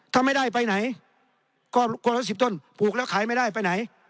ถ้าไม่ได้ไปไหนก็คนละ๑๐ต้นปลูกแล้วขายไม่ได้ไปไหน